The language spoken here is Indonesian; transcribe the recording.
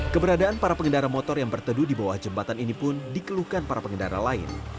keberadaan para pengendara motor yang berteduh di bawah jembatan ini pun dikeluhkan para pengendara lain